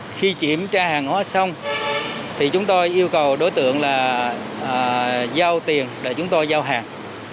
khi kiểm tra hàng hóa xong thì chúng tôi yêu cầu đối tượng là giao tiền để chúng tôi giao hàng